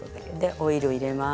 オイルを入れます。